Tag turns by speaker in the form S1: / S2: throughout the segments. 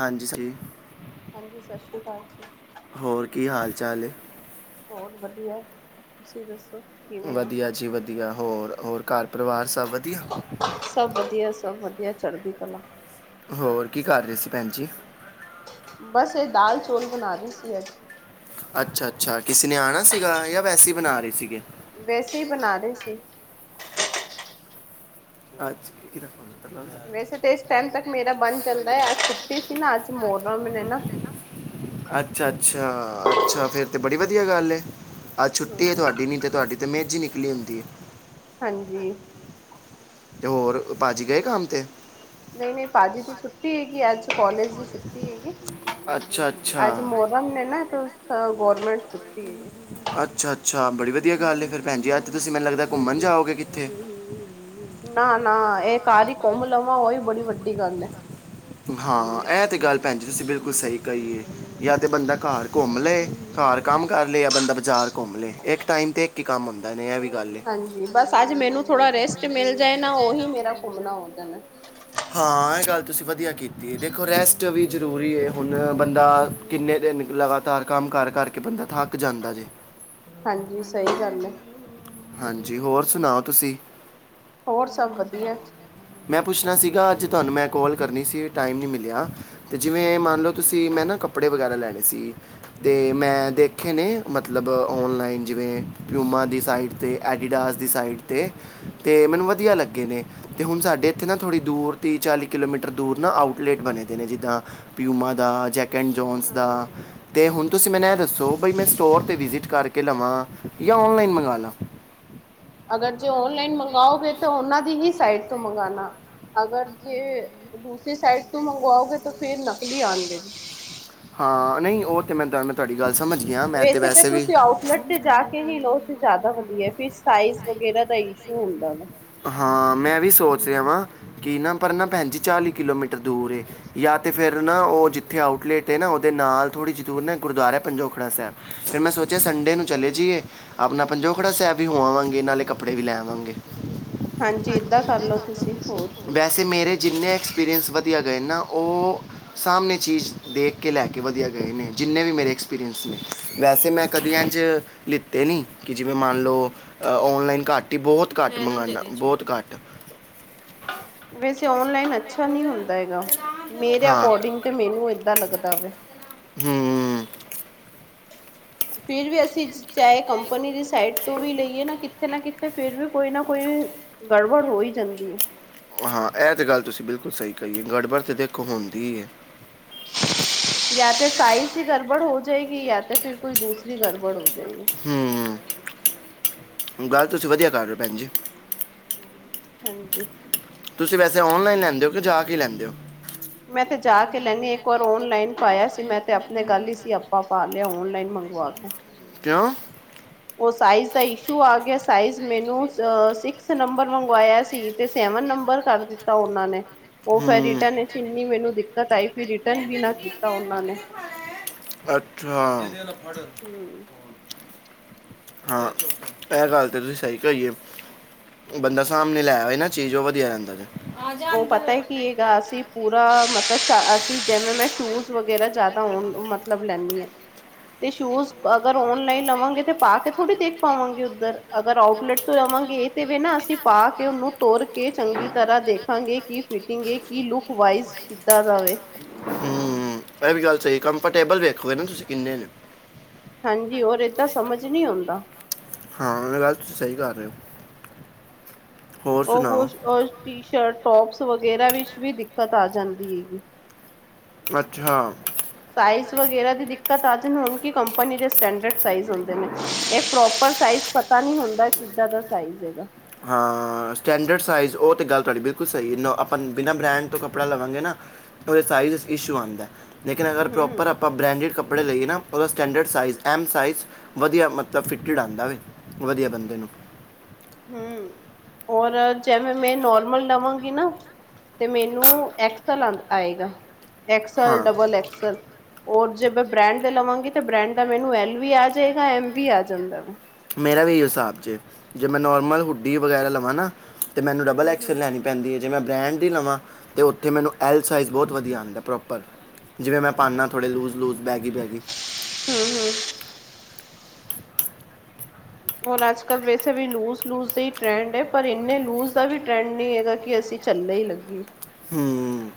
S1: ਹਾਂਜੀ ਜੀ।
S2: ਹਾਂਜੀ ਸਤਿ ਸ੍ਰੀ ਅਕਾਲ ਜੀ।
S1: ਹੋਰ ਕੀ ਹਾਲ ਚਾਲ ਏ?
S2: ਹੋਰ ਵਧੀਆ ਤੁਸੀਂ ਦੱਸੋ? ਕਿਵੇਂ ਹੋ
S1: ਵਧੀਆ ਜੀ ਵਧੀਆ ਹੋਰ ਹੋਰ ਘਰ ਪਰਿਵਾਰ ਸਭ ਵਧੀਆ।
S2: ਏ ਚੜ੍ਹਦੀਕਲਾ।
S1: ਹੋਰ ਕੀ ਕਰ ਰਹੇ ਸੀ ਭੈਣ ਜੀ?
S2: ਬਸ ਇਹ ਦਾਲ ਚੌਲ ਬਣਾ ਰਹੀ ਸੀ ਅੱਜ।
S1: ਅੱਛਾ ਅੱਛਾ ਕਿਸੇ ਨੇ ਆਉਣਾ ਸੀਗਾ ਜਾਂ ਵੈਸੇ ਹੀ ਬਣਾ ਰਹੇ ਸੀਗੇ।
S2: ਵੈਸੇ ਹੀ ਬਣਾ ਰਹੇ ਸੀ।
S1: ਅੱਜ ਕਿਹਦਾ ਫੋਨ
S2: ਵੈਸੇ ਤਾਂ ਇਸ ਟਾਈਮ ਤੱਕ ਮੇਰਾ ਬੰਨ ਚੱਲਦਾ ਏ ਅੱਜ ਛੁੱਟੀ ਸੀ ਨਾ ਅੱਜ ਮੋਹਰਮ ਨੇ ਨਾ।
S1: [unintelligible] ਅੱਛਾ ਅੱਛਾ, ਅੱਛਾ ਫਿਰ ਤਾਂ ਬੜੀ ਵਧੀਆ ਗੱਲ ਏ, ਅੱਜ ਛੁੱਟੀ ਏ
S2: ਹਮ
S1: ਤੁਹਾਡੀ ਨਹੀਂ ਤੇ ਤੁਹਾਡੀ ਮਿਜ ਨਿਕਲੀ ਹੁੰਦੀ ਏ।
S2: ਹਾਂਜੀ
S1: ਤੇ ਹੋਰ ਭਾਜੀ ਗਏ ਕੰਮ ਤੇ?
S2: ਨਹੀਂ ਨਹੀਂ ਭਾਜੀ ਦੀ ਛੁੱਟੀ ਹੈਗੀ, ਅੱਜ ਕੋਲਜ ਦੀ ਛੁੱਟੀ ਹੈਗੀ।
S1: ਅੱਛਾ ਅੱਛਾ
S2: ਅੱਜ ਮੋਰਮ ਨੇ ਨਾ ਗੋਰਮੈਂਟ ਛੁ
S1: ਅੱਛਾ। ਅੱਛਾ ਬੜੀ ਵਧੀਆ ਗੱਲ ਏ ਫਿਰ ਭੈਣ ਜੀ, ਅੱਜ ਤੁਸੀਂ ਮੈਨੂੰ ਲੱਗਦਾ ਘੁੰਮਣ ਜਾਓਗੇ ਕਿੱਥੇ?
S2: ਨਾ ਨਾ ਇਹ ਘਰ ਹੀ ਘੁੰਮ ਲਵਾਂ ਉਹੀ ਬੜੀ ਵੱਡੀ ਗੱਲ ਏ।
S1: ਹਾਂ, ਇਹ ਤੇ ਗੱਲ ਭੈਣ ਜੀ ਤੁਸੀਂ ਬਿਲਕੁਲ ਸਹੀ ਕਹੀਏ, ਜਾਂ ਤੇ ਬੰਦਾ ਘਰ ਘੁੰਮ ਲਏ, ਘਰ ਕੰਮ ਕਰ ਲਏ ਜਾਂ ਬੰਦਾ ਬਾਜ਼ਾਰ ਘੁੰਮ ਲਏ, ਇੱਕ ਟਾਈਮ ਤੇ ਇੱਕ ਹੀ ਕੰਮ ਹੁੰਦਾ ਏ ਐ ਵੀ। ਗੱਲ ਏ
S2: ਹਾਂਜੀ, ਬਸ ਅੱਜ ਮੈਨੂੰ ਥੋੜਾ ਰੈਸਟ ਮਿਲ ਜਾਏ ਨਾ ਉਹੀ ਮੇਰਾ ਪੂਨਮਾ ਹੋ ਜਾਣਾ।
S1: ਹਾਂ ਇਹ ਗੱਲ ਤੁਸੀਂ ਵਧੀਆ ਕੀਤੀ ਅਤੇ ਦੇਖੋ ਰੈਸਟ ਵੀ ਜ਼ਰੂਰੀ ਹੁਣ ਬੰਦਾ ਕਿੰਨੇ ਦਿਨ ਲਗਾਤਾਰ ਕੰਮ ਕਾਰ ਕਰਕੇ ਦਾ ਥੱਕ ਜਾਂਦਾ ਜੇ
S2: ਹਾਂਜੀ ਸਹੀ ਗੱਲ ਹੈ
S1: ਹਾਂਜੀ ਹੋਰ ਸੁਣਾਓ ਤੁਸੀਂ
S2: ਹੋਰ ਸਭ ਵਧੀਆ।
S1: ਮੈਂ ਪੁੱਛਣਾ ਸੀਗਾ ਅੱਜ ਤੁਹਾਨੂੰ ਮੈਂ ਕੋਾਲ ਕਰਨੀ ਸੀ ਟਾਈਮ ਨੀ ਮਿਲਿਆ ਤੇ ਜਿਵੇਂ ਮੰਨ ਲਓ ਤੁਸੀਂ ਮੈਂ ਨਾ ਕੱਪੜੇ ਵਗੈਰਾ ਲੈਣੇ ਸੀ ਤੇ ਮੈਂ ਦੇਖੇ ਨੇ ਮਤਲਬ ਔਨਲਾਈਨ ਜਿਵੇਂ ਪਿਊਮਾ ਦੀ ਸਾਈਟ ਅਤੇ ਐਡੀਡਾਸ ਦੀ ਸਾਈਡ 'ਤੇ ਅਤੇ ਮੈਨੂੰ ਵਧੀਆ ਲੱਗੇ ਨੇ ਅਤੇ ਹੁਣ ਸਾਡੇ ਇੱਥੇ ਨਾ ਥੋੜ੍ਹੀ ਦੂਰ ਤੀਹ ਚਾਲੀ ਕਿਲੋਮੀਟਰ ਦੂਰ ਨਾ ਆਊਟਲੇਟ ਬਣੇ ਦੇ ਨੇ ਜਿੱਦਾਂ ਪਿਊਮਾ ਜੈਕ ਕਨ ਜੋਨਸ ਦਾ ਅਤੇ ਹੁਣ ਤੁਸੀਂ ਮੈਨੂੰ ਇਹ ਦੱਸੋ ਬਈ ਮੈਂ ਸਟੋਰ 'ਤੇ ਵਿਜਿਟ ਕਰਕੇ ਲਵਾਂ ਜਾਂ ਔਨਲਾਈਨ ਮੰਗਾਵਾ ਲਵ
S2: ਅਗਰ ਜੇ ਓਨਲਾਈਨ ਮੰਗਓਗੇ ਤਾਂ ਉਹਨਾਂ ਦੀ ਹੀ ਸਾਈਟ ਤੋਂ ਮੰਗਉਣਾ ਅਗਰ ਜੇ ਦੂਸਰੀ ਸਾਈਡ ਤੋਂ ਮੰਗਵਾਓਗੇ ਤਾਂ ਫੇਿਰ ਨਕਲੀ ਆਉਣਦੇ
S1: ਹਾਂ ਨਹੀਂ ਉਹ ਤੇ ਮੈਂ ਮੈਂ ਤੁਹਾਡੀ ਗੱਲ ਸਮਝ ਗਿਆ ਮੈਂ
S2: ਵੈਸੇ ਤੇ
S1: ਵੀ
S2: ਤੁਸੀ ਆਟ ਲਟ ਤੇ ਜਾ ਕੇ ਹੀ ਲੋਦਾ ਵਧਆ ਸ ਵਰਾ ਦਾਸ਼ ਝੂਲਦਾ ਵਾ
S1: ਹਾਂ ਮੈਂ ਵੀ ਸੋਚ ਰਿਹਾ ਵਾਂ ਕਿ ਨਾ ਪਰ ਨਾ ਭੈਣਜੀ ਚਾਲੀ ਕਿਲੋਮੀਟਰ ਦੂਰ ਫੇਿਰ ਨਾ ਉਹ ਜਿੱਥੇ ਆਊਟਲੇਟ ਨਾ ਉਹਦੇ ਨਾਲ ਥੋੜ੍ਹੀ ਜ ਦੂਰ ਨਾ ਗੁਰਦੁਆਰਾ ਪੰਜੋਖੜਾ ਸਾਹਿਬ ਫਿਰ ਮੈਂ ਸੋਚਿਆ ਸੰਡੇ ਨੂੰ ਚਲੇ ਜਾਈਏ ਆਪਣਾ ਪੰਜੋ ਖੜਾ ਸਹਿਬ ਵੀ ਹੋ ਆਵਾਂਗੇ ਨਾਲੇ ਕੱਪੜੇ ਵੀ ਲੈ ਆਵਾਂਗੇ
S2: ਹਾਂਜੀ ਏਦਾਂ ਕਰਲਓ ਤੁਸੀਂ ਹੋਰ ਕੀ
S1: ਵੈਸੇ ਮੇਰੇ ਜਿੰਨੇ ਐਕਸਪੀਰੀਅੰਸ ਵਧੀਆ ਗਏ ਨਾ ਉਹ ਸਾਹਮਣੇ ਚੀਜ਼ ਦੇਖ ਕੇ ਲੈ ਕੇ ਵਧੀਆ ਗਏ ਨੇ ਜਿੰਨੇ ਵੀ ਮੇਰੇ ਐਕਸਪੀਰੀਅੰਸ ਨੇ ਵੈਸੇ ਮੈਂ ਕਦੇ ਅੰਝ ਲਿੱਤੇ ਨਹੀਂ ਕਿ ਜਿਵੇਂ ਮੰਨ ਲਓ ਔਨਲਾਈਨ ਘੱਟ ਹੀ ਬਹੁਤ ਘੱਟ ਮੰਗਵਾਉਣਾ ਬਹੁਤ ਘੱਟ
S2: ਵੈਸੇ ਓਂਨਲਾਈਨ ਅੱਛਾ ਨੀ ਹੁੰਦਾ ਹੈਗਾ ਮੇਰੇ
S1: ਹਾਂ
S2: ਅਕੋਰਡਿੰਗ ਤੇ ਮੈਨੂੰ ਏਦਾਂ ਲੱਗਦਾ। ਕਿੱਦਾਂ ਵੇ?
S1: ਹਮ
S2: ਫਿਰ ਵੀ ਅਸੀਂ ਚਾਹੇ ਕੰਪਨੀ ਦੀ ਸਾਈਟ ਤੋਂ ਵੀ ਲਈਏ ਨਾ, ਕਿਥੇ ਨਾ ਕਿਥੇ ਫਿਰ ਵੀ ਕੋਈ ਨਾ ਕੋਈ। ਗੜਬੜ ਹੋ ਹੀ ਜਾਂਦੀ ਹੈ।
S1: ਹਾਂ ਇਹ ਤੇ ਗੱਲ ਤੁਸੀਂ ਬਿਲਕੁਲ ਸਹੀ ਕਹੀ ਏ ਗੜਬੜ ਤਾਂ ਦੇਖੋ ਹੁੰਦੀ ਹੈ।
S2: ਯਾ ਤਾਂ ਸਾਈਜ਼ ਹੀ ਗੜਬੜ ਹੋ ਜਾਏਗੀ ਯਾ ਤਾਂ ਫਿਰ ਕੋਈ ਦੂਸਰੀ ਗੜਬੜ ਹੋ ਜਾਏਗੀ।
S1: ਹੂੰ ਗੱਲ ਤੁਸੀਂ ਵਧੀਆ ਕਰ ਰਹੇ ਹੋ ਭੈਣ ਜੀ।
S2: ਹਾਂਜੀ
S1: ਤੁਸੀਂ ਵੈਸੇ, ਔਨਲਾਈਨ ਲੈਂਦੇ ਹੋ, ਕਿ ਜਾ ਕੇ ਲੈਂਦੇ ਹੋ? ਮੈਂ ਤੇ ਜਾ ਕੇ ਲੈਂਦੀ ਇੱਕ ਵਾਰ ਓਨਲਾਈਨ ਤੋਂ ਆਇਆ ਸੀ ਮੈਂ ਗੱਲ ਸਿਆਪਾ ਪਾ ਲਿਆ।
S2: ਉਹ ਸਾਈਜ਼ ਦਾ ਇਸ਼ੂ ਆ ਗਿਆ ਸੀ। ਸਾਈਜ਼ ਮੈਨੂੰ ਸਿਕਸ ਨੰਬਰ ਮੰਗਵਾਇਆ ਸੀ ਤੇ ਸੈਵਨ ਨੰਬਰ ਕਰ ਦਿੱਤਾ ਉਹਨਾਂ ਨੇ। ਉਹ
S1: ਹੂੰ
S2: ਫਿਰ ਰਿਟਰਨ ਚ ਇੰਨੀ ਮੈਨੂੰ ਦਿੱਕਤ ਆਈ ਫਿਰ ਰਿਟਰਨ ਵੀ ਨਾ ਕੀਤਾ
S1: ਕਹਿ
S2: ਉਹਨਾਂ ਨੇ।
S1: ਅੱਛਾ।
S2: ਹਮ
S1: ਹਾਂ ਇਹ ਗੱਲ ਤੇ ਤੁਸੀਂ ਸਹੀ ਕਈ ਏ। ਬੰਦਾ ਸਾਹਮਣੇ ਲੈ ਆਵੇ ਨਾ ਚੀਜ਼ ਉਹ ਵਧੀਆ ਰਹਿੰਦਾ। ਆ ਜਾ
S2: ਉਹ
S1: ਅੰਦਰ
S2: ਪਤਾ ਹੈ ਕਿ ਇਹ ਹੈਗਾ ਅਸੀਂ ਪੂਰਾ ਮਤਲਬ ਅਸੀਂ ਜਿਵੇਂ ਮੈਂ ਸ਼ੂਜ ਵਗੈਰਾ। ਤਾਂ ਹੁਣ ਮਤਲਬ ਲੈਂਨੀ ਆ। ਤੇ ਸ਼ੂਜ ਅਗਰ ਓਨਲਾਈਨ ਲਵਾਂਗੇ ਤੇ ਪਾ ਕੇ ਥੋੜੀ ਦੇਖ ਪਾਵਾਂਗੇ ਉੱਧਰ ਅਗਰ ਆਊਟਲੇੈਟ ਤੋਂ ਲਵਾਂਗੇ। ਗੇ ਤੇ ਵੀੇ ਨਾ ਅਸੀਂ ਪਾ ਕੇ ਉਹਨੂੰ ਤੋਰ ਕੇ ਚੰਗੀ ਤਰ੍ਹਾਂ ਦੇਖ। ਦੇਖਾਂਗੇ ਕੀ ਫਿਟਿੰਗ ਏ ਕੀ ਲੁਕ ਵਾਈਜ਼ ਕਿਦਾਂ ਜਾਵੇ।
S1: ਹੂੰ ਇਹ ਗੱਲ ਸਹੀ ਕੰਫਰਟੇਬਲ ਵੇਖੋ ਨਾ ਤੁਸੀਂ ਕਿੰਨੇ ਨੇ।
S2: ਹਾਂਜੀ ਹੋਰ ਏਦਾਂ ਸਮਝ ਨਹੀਂ ਆਉਂਦਾ।
S1: ਹਾਂ, ਉਹ ਗੱਲ ਤੁਸੀਂ ਸਹੀ ਕਰ ਰਹੇ ਹੋ। ਹੋਰ
S2: ਉਹ
S1: ਸੁਣਾਓ
S2: ਕੁਛ ਟੀ ਸ਼ਰਟ ਟੋਪਸ ਵਗੈਰਾ ਵਿੱਚ ਵੀ ਦਿੱਕਤ ਆ ਜਾਂਦੀ ਏ।
S1: ਅੱਛਾ।
S2: ਸਾਈਜ਼ ਵਗੈਰਾ ਦਿੱਕਤ। ਦਿੱਕਤ ਆ ਜਾਂਦੀ ਉਹਨਾਂ ਦੀ ਕੰਪਨੀ ਦੇ ਸਟੈਂਡ ਸਾਈਜ ਹੁੰਦੇ ਨੇ ਇਹ ਪ੍ਰੋਪਰ ਸਾਈਜ ਪਤਾ ਨੀ ਹੁੰਦਾ ਕਿ। ਕਿੱਦਾਂ ਦਾ ਸਾਈਜ਼ ਹੈਗਾ?
S1: ਹਾਂ ਸਟੈਂਡਰਡ ਸਾਈਜ ਉਹ ਤੇ ਗੱਲ ਤੁਹਾਡੀ ਬਿਲਕੁਲ ਸਹੀ ਆਪਾਂ ਬਿਨਾਂ ਬ੍ਰਾਂਡ ਤੋਂ ਕੱਪੜਾ ਲਵਾਂਗੇ ਨਾ। ਥੋਡਾ ਸਾਈਜ਼ ਚ ਇਸ਼ੂ ਆਂਦਾ ਲੇਕਿਨ ਅਗਰ ਪ੍ਰੋਪਰ
S2: ਹੂੰ
S1: ਆਪਾਂ ਬਰੈਂਡਡ ਕੱਪੜਾ। ਕੱਪੜੇ ਲਈਏ ਨਾ। ਉਹਦਾ ਸਟੈਂਡਰਡ ਸਾਈਜ਼ ਐਮ ਸਾਈਜ਼ ਵਧੀਆ ਮਤਲਬ ਫਿਟਡ ਆਉਂਦਾ। ਵਧੀਆ ਬੰਦੇ ਨੂੰ।
S2: ਹਮ ਔਰ ਜਿਵੇਂ ਮੈਂ ਨੋਰਮਲ ਲਵਾਂਗੀ ਨਾ। ਤੇ ਮੈਨੂੰ ਐਕਸਲ ਆਏਗਾ ਐਕਸਲ
S1: ਹਾਂ
S2: ਡਬਲ ਐਕਸਲ। ਹੋਰ ਜੇ ਮੈ ਬ੍ਰੈਂਡ ਦੇ ਲਵਾਂਗੀ ਤਾਂ ਬ੍ਰਡ ਦਾ ਮੈਨੂੰ ਐਲ ਵੀ ਆ ਜਾਏਗਾ ਐਮ ਵੀ ਆ ਜਾਂਦਾ ਵੇ।
S1: ਜਾਏਗਾ ਮੇਰਾ ਵੀ ਇਹੀ ਹਿਸਾਬ ਜੇ ਮੈਂ ਨੋਰਮਲ ਹੁੱਡੀ ਵਗੈਰਾ ਲਵਾਂ ਨਾ ਤੇ ਮੈਨੂੰ ਡਬਲ
S2: ਹੂੰ
S1: ਐਕਸਲ
S2: ਹੂੰ
S1: ਲੈਣੀ ਪੈਂਦੀ ਹੈ। ਜੇ ਮੈਂ ਬ੍ਰੈਂਡ ਦੀ ਲਵਾਂ, ਤਾਂ ਉੱਥੇ ਮੈਨੂੰ ਐੱਲ ਸਾਈਜ਼ ਬਹੁਤ ਵਧੀਆ ਆਉਂਦਾ ਪ੍ਰੋਪਰ। ਜਿਵੇਂ ਮੈਂ ਪਾਉਦਾ ਥੋੜ੍ਹੇ ਲੂਜ਼ ਲੂਜ਼ ਬੈਗੀ ਬੈਗੀ।
S2: ਹੂੰ ਹੋਰ ਅੱਜ ਕੱਲ ਵੈਸੇ ਵੀ ਲੂਜ ਲੂਜ ਦਾ ਹੀ ਟਰੈਂਡ ਹੈ ਪਰ ਇੰਨੇ ਲੂਜ ਦਾ ਵੀ ਟਰੈਂਡ ਨਹੀਂ ਹੈਗਾ ਕਿ ਅਸੀਂ। ਝੱਲੇ ਹੀ ਲੱਗੀਏ।
S1: ਹਮ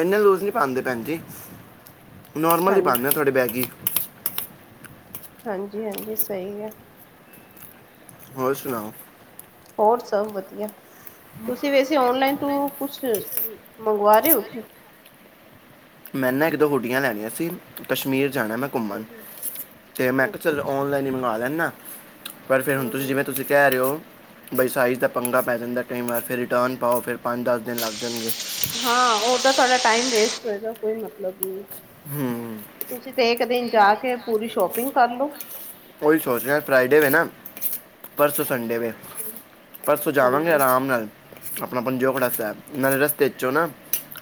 S1: ਇੰਨੇ ਲੂਜ਼ ਨਹੀਂ ਪਾਉਂਦੇ ਭੈਣ ਜੀ। ਨੋਰਮਲੀ ਪਾਉਦੇ
S2: ਹਾਂਜੀ
S1: ਤੁਹਾਡੇ ਬੈਗੀ।
S2: ਹਾਂਜੀ ਹਾਂਜੀ ਸਹੀ ਆ।
S1: ਹੋਰ ਸੁਣਾਓ?
S2: ਹੋਰ ਸਭ ਵਧੀਆ, ਤੁਸੀਂ ਵੈਸੇ ਔਨਲਾਈਨ ਤੋਂ ਕੁਛ? ਮੰਗਵਾ ਰਹੇ ਹੋ?
S1: ਮੈ ਨਾ ਇੱਕ ਦੋ ਹੁਡੀਆਂ ਲੈਣੀਆਂ ਸੀ ਕਸ਼ਮੀਰ ਜਾਣਾ ਮੈਂ ਘੁੰਮਣ
S2: ਹੂੰ-ਹੂੰ
S1: ਤੇ ਮੈਂ ਕਿਹਾ ਚਲੋ
S2: ਅੱਛਾ-ਅੱਛਾ
S1: ਔਨਲਾਈਨ ਹੀ ਮੰਗਵਾ ਲੈਦਾ। ਪਰ ਫਿਰ ਹੁਣ ਤੁਸੀਂ
S2: ਹੂੰ-ਹੂੰ
S1: ਜਿਵੇਂ ਤੁਸੀਂ ਕਹਿ ਰਹੇ ਹੋ। ਬਾਈਸਾਈਜ਼ ਦਾ ਪੰਗਾ ਪੈ ਜਾਂਦਾ ਕਈ ਵਾਰ ਫਿਰ ਰਿਟਰਨ ਪਾਓ ਫਿਰ। ਦਿਨ ਲੱਗ ਜਾਣਗੇ
S2: ਹਾਂ ਉਹ ਤਾਂ ਤੁਡਾ ਟਾਈਮ ਵੇਸਟ। ਇਹਦਾ ਕੋਈ ਮਤਲਬ ਨੀ
S1: ਹੂੰ
S2: ਤੁਸੀਂ। ਤੇ ਇੱਕ ਦਿਨ ਜਾ ਕੇ ਪੂਰੀ ਸ਼ੋਪਿੰਗ ਕਰਲੋ।
S1: ਉਹੀ ਸੋਚਦਾ ਫਰਾਈਡੇ ਹੋਵੇ ਨਾ। ਪਰਸੋਂ ਸੰਡੇ ਵੇ ਪਰਸੋਂ ਜਾਵਾਂਗੇ
S2: ਹਾਂਜੀ
S1: ਆਰਾਮ ਨਾਲ। ਆਪਣਾ ਪੰਜੋਕੜਾ ਸਾ ਨਾਲੇ ਰਸਤੇ ਚੋਂ ਨਾ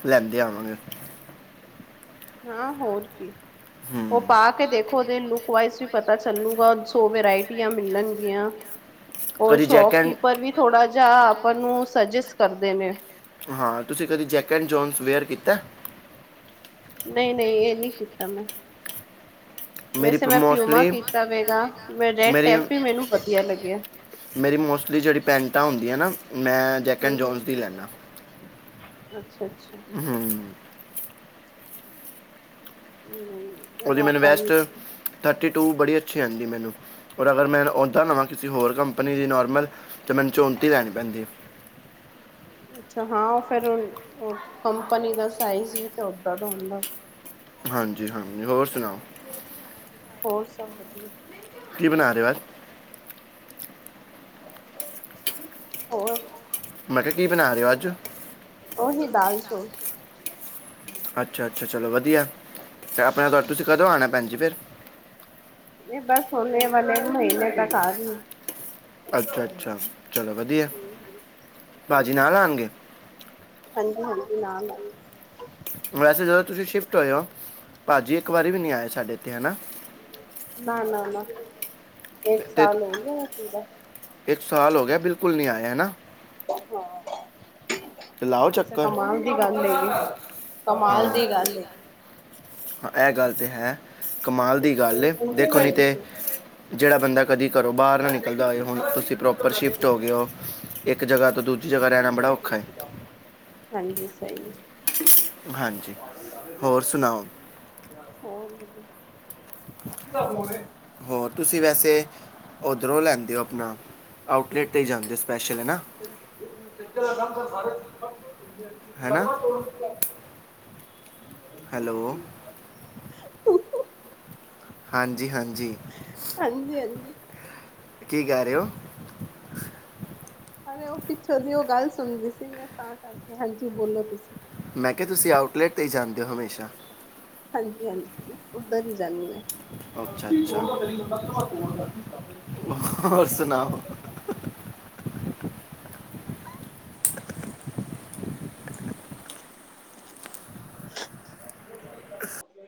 S1: ਲੈਂਦੇ ਆਵਾਂਗੇ। [unintelligible]
S2: ਹਾਂ ਹੋਰ ਕੀ
S1: ਹੂੰ
S2: ਉਹ ਪਾ ਕੇ ਦੇਖੋ ਉਹਦੇ ਲੁਕ ਵਾਈਜ਼ ਵੀ ਪਤਾ। ਪਤਾ ਚੱਲੂਗਾ ਸੋ ਵਰਾਇਟੀਆਂ ਮਿਲਣਗੀਆਂ। ਉਹ
S1: ਕਦੀ ਜੈਕ ਐਂਡ
S2: ਸ਼ੋਪਕੀਪਰ ਵੀ ਥੋੜਾ ਜਾਹਾ ਆਪਾਂ ਨੂੰ ਸੁਜੈਸਟ ਕਰਦੇ ਨੇ।
S1: ਹਾਂ ਤੁਸੀਂ ਕਦੀ ਜੈਕ ਐਂਡ ਜੋਨਸ ਵੇਅਰ ਕੀਤਾ।
S2: ਨਹੀਂ ਨਹੀਂ ਇਹ ਨਹੀਂ ਕੀਤਾ ਮੈਂ।
S1: ਮੇਰੀ
S2: ਵੈਸੇ ਮੈਂ ਪਿਊਮਾ
S1: ਮੋਸਟਲੀ
S2: ਕੀਤਾ ਵੇਗਾ ਮੈਂ ਰੈਡ
S1: ਮੇਰੀ
S2: ਟੈਪ ਵੀ ਮੈਨੂੰ ਵਧੀਆ ਲੱਗਿਆ।
S1: ਮੇਰੀ ਮੋਸਟਲੀ ਜਿਹੜੀ ਪੈਂਟਾਂ ਹੁੰਦੀਆਂ ਨਾ ਮੈਂ ਜੈਕ
S2: ਹੂੰ
S1: ਐਂਡ
S2: ਹੂੰ।
S1: ਜਨਸ ਦੀ ਲੈਂਦਾ।
S2: ਅੱਛਾ। ਅੱਛਾ
S1: ਹਮ।
S2: ਨਹੀਂ।
S1: ਉਹਦੀ
S2: ਉਹ
S1: ਮੈਨ
S2: ਆਪਾਂ
S1: ਬੈਸਟ।
S2: ਯੂਜ
S1: ਫੌਟੀ ਟੂ ਬੜੀ ਅੱਛੀ ਆਉਂਦੀ ਮੈਨੂੰ ਔਰ ਅਗਰ ਮੈਂ ਉੱਦਾਂ ਲਵਾਂ ਕਿਸੇ ਹੋਰ ਕੰਪਨੀ ਦੀ ਨੋਰਮਲ। ਤੇ ਮੈਨੂੰ ਚੌਣਤੀ ਲੈਣੀ ਪੈਂਦੀ ਹੈ।
S2: ਅੱਛਾ ਹਾਂ ਫਿਰ ਕੰਪਨੀ ਦਾ ਸਾਈਜ ਵੀ ਤੇ ਓਦਾਂ ਦਾ ਹੁੰਦਾ।
S1: ਹਾਂਜੀ ਹਾਂਜੀ ਹੋਰ ਸੁਣਾਓ।
S2: ਹੋਰ ਸਭ ਵਧੀਆ।
S1: ਕੀ ਬਣਾ ਰਹੇ ਔ ਅੱਜ?
S2: ਹੋਰ।
S1: ਮੈਂ ਕਿਹਾ ਕੀ ਬਣਾ ਰਹੇ ਹੋ ਅੱਜ
S2: ਉਹੀ ਦਾਲ-ਚੋਲ।
S1: ਅੱਛਾ ਅੱਛਾ। ਚਲੋ ਵਧੀਆ। ਫੇਰ ਆਪਣੇ ਘਰ ਤੁਸੀਂ ਕਦੋਂ ਆਉਣਾ ਭੈਣ ਜੀ ਫੇਰ?
S2: ਇਹ ਬਸ ਹੋਲੇ ਵਾਲੇ ਮਹੀਨੇ ਤੱਕ ਆ ਗਈ।
S1: ਅੱਛਾ ਅੱਛਾ, ਚਲੋ ਵਧੀਆ ਏ।
S2: ਹਾਂਜੀ ਹਾਂਜੀ, ਨਾਲ ਜੀ।
S1: ਵੈਸੇ ਜਦੋਂ ਤੁਸੀਂ ਸ਼ਿਫਟ ਹੋਏ ਹੋ, ਭਾਜੀ ਇੱਕ ਵਾਰੀ ਵੀ ਨਹੀਂ ਆਏ ਸਾਡੇ ਇੱਥੇ, ਹੈਨਾ।
S2: ਨਾ ਨਾ ਨਾ ਇੱਕ
S1: ਤੇ- ਤੇ ਤੁ-
S2: ਸਾਲ ਹੋ ਗਿਆ ਏ ਪੂਰਾ।
S1: ਇੱਕ ਸਾਲ ਹੋ ਗਿਆ ਬਿਲਕੁਲ ਨਹੀ ਆਏ, ਹੈਨਾ।
S2: ਹਾਂ।
S1: ਤੇ ਲਾਓ
S2: ਵੈਸੇ
S1: ਚੱਕਰ
S2: ਕਮਾਲ ਦੀ ਗੱਲ ਹੈਗੀ, ਕਮਾਲ
S1: ਹਾਂ
S2: ਦੀ ਗੱਲ ਹੈਗੀ।
S1: ਹਾਂ ਇਹ ਗੱਲ ਤਾਂ ਹੈ। ਕਮਾਲ ਦੀ ਗੱਲ ਏ, ਦੇਖੋ ਨਹੀਂ
S2: ਹਾਂਜੀ,
S1: ਤੇ ਜਿਹੜਾ ਬੰਦਾ। ਘਰੋ ਬਾਹਰ ਨਾ ਨਿਕਲਦਾ ਹੋਏ, ਹੁਣ ਤੁਸੀਂ ਪ੍ਰੋਪਰ ਸ਼ਿਫਟ ਹੋ ਗਏ ਹੋ ਇੱਕ ਜਗ੍ਹਾ। ਤੇ ਦੂਜੀ ਜਗਾ ਰਹਿਣਾ ਬੜਾ ਔਖਾ ਹੈ।
S2: ਹਾਂਜੀ, ਸਹੀ ਏ।
S1: ਹਾਂਜੀ, ਹੋਰ ਸੁਣਾਓ।
S2: ਕਿਦਾ ਫੋਨ ਏ?
S1: ਹੋਰ ਤੁਸੀਂ ਵੈਸੇ ਉੱਧਰੋਂ ਲੈਂਦੇ ਹੋ ਅਪਣਾ ਆਊਟਲੇੈਟ ਤੇ ਹੀ ਜਾਂਦੇ ਸੀ।
S2: [unintelligible]
S1: ਹੈ ਨਾ
S2: [unintelligible]
S1: ਹੈਲੋ
S2: [inaudible] [inaudible]
S1: ਹਾਂਜੀ ਹਾਂਜੀ।
S2: ਹਾਂਜੀ
S1: ਕੀ ਕਹਿ ਰਹੇ ਹੋ?
S2: ਅਰੇ ਉਹ ਪਿਛੋਂ ਦੀ ਉਹ ਗੱਲ ਸੁਣ ਰਹੀ ਸੀ ਮੈਂ ਤਾਂ ਕਰਕੇ, ਹਾਂਜੀ ਬੋਲੋ ਤੁਸੀਂ।
S1: ਮੈਂ ਕਿਹਾ, ਤੁਸੀਂ ਆਊਟਲੈਟ ਤੇ ਹੀ ਜਾਂਦੇ ਹੋ ਹਮੇਸ਼ਾ।
S2: ਹਾਂਜੀ-ਹਾਂਜੀ ਉਧਰ ਹੀ ਜਾਨੀ ਆ।
S1: ਅੱਛਾ
S2: ਹੱਡੀ
S1: ਅੱਛਾ
S2: ਤੋੜ ਦਾਂ ਤੇਰੀ, ਲੱਤ-ਬਾਂਹ ਤੋੜ
S1: ਹੋਰ ਸੁਣਾਓ [inaudible]
S2: [inaudible]
S1: [inaudible]